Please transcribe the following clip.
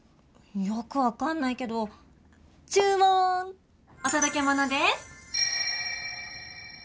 よく分かんないけど注文！お届け物です。